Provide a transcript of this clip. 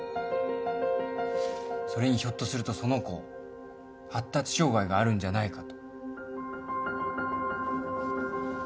それにひょっとするとその子発達障害があるんじゃないかと。